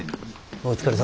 お疲れさん。